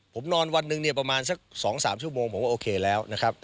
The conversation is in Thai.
ผมนอนวันหนึ่งเนี่ยประมาณสัก๒๓ชั่วโมงผมก็โอเคแล้วนะครับ